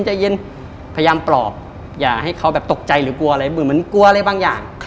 ใจเย็นพยายามปลอบอย่าให้เขาแบบตกใจหรือกลัวอะไรเหมือนกลัวอะไรบางอย่าง